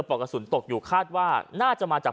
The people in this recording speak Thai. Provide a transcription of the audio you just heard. อกกระสุนตกอยู่คาดว่าน่าจะมาจาก